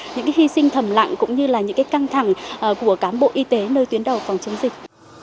những hy sinh thầm lặng cũng như là những căng thẳng của cán bộ y tế nơi tuyến đầu phòng chống dịch